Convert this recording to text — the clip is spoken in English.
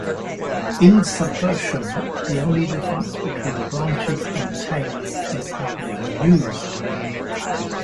In Subversion, the only difference between branches and tags is how they are used.